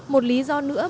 một lý do nữa